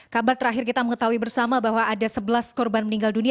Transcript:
kabar terakhir kita mengetahui bersama bahwa ada sebelas korban meninggal dunia